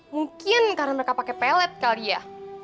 mungkin karena mereka pakai pellet kali ya